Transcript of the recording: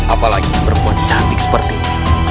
apalagi berbuat cantik seperti ini